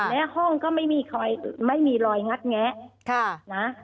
และห้องก็ไม่มีรอยงัดแงะนะ